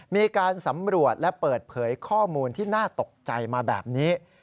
มีการสำรวจและเปิดเผยข้อมูลที่น่าตกใจมาแบบนี้